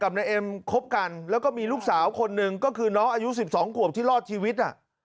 นายเอ็มคบกันแล้วก็มีลูกสาวคนหนึ่งก็คือน้องอายุ๑๒ขวบที่รอดชีวิต